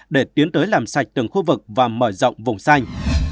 để tiến tới làm sạch từng khu vực và mở rộng vùng xanh